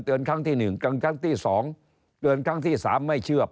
เตือนครั้งที่หนึ่งเตือนครั้งที่สองเตือนครั้งที่สามไม่เชื่อ